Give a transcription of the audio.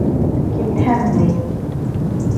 Китһәң ни?..